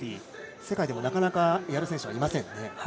世界でもなかなかやる選手はいませんね。